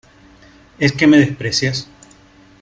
¿ es que me desprecias?